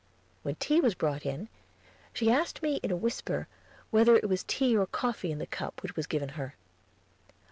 When tea was brought in, she asked me in a whisper whether it was tea or coffee in the cup which was given her.